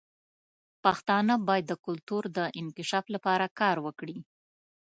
پښتانه باید د کلتور د انکشاف لپاره کار وکړي.